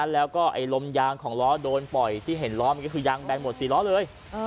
แล้วก็ลมยางของล้อโดนปล่อยที่เห็นล้อมันก็คือยางแบนหมด๔ล้อเลย